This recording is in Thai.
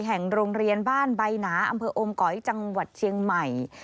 แห่งโรงเรียนบ้านใบหนาอำเภออมก๋อยจังหวัดเชียงใหม่